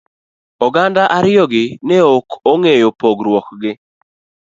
Oganda ariyo gi ne okeng'eyo pogruok gi.